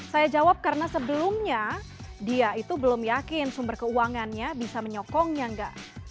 saya jawab karena sebelumnya dia itu belum yakin sumber keuangannya bisa menyokongnya enggak